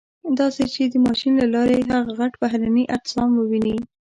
داسې چې د ماشین له لارې هغه غټ بهرني اجسام وویني.